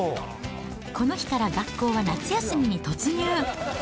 この日から学校は夏休みに突入。